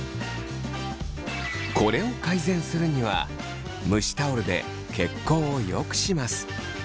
これを改善するには蒸しタオルで血行を良くします。